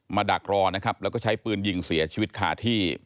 ดักรอนะครับแล้วก็ใช้ปืนยิงเสียชีวิตคาที่